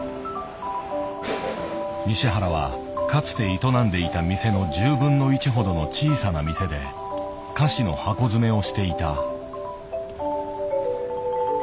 西原はかつて営んでいた店のほどの小さな店で菓子の箱詰めをしていた。